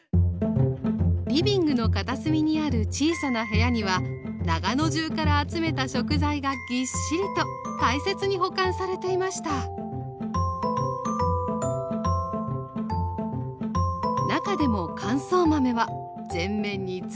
リビングの片隅にある小さな部屋には長野中から集めた食材がぎっしりと大切に保管されていました中でも乾燥豆は全面にずらり。